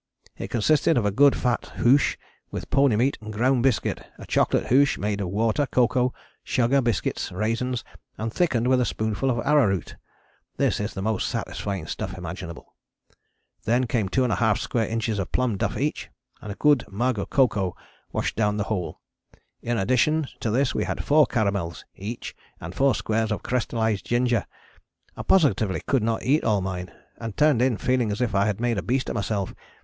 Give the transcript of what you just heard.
It consisted of a good fat hoosh with pony meat and ground biscuit; a chocolate hoosh made of water, cocoa, sugar, biscuit, raisins, and thickened with a spoonful of arrowroot. (This is the most satisfying stuff imaginable.) Then came 2½ square inches of plum duff each, and a good mug of cocoa washed down the whole. In addition to this we had four caramels each and four squares of crystallized ginger. I positively could not eat all mine, and turned in feeling as if I had made a beast of myself.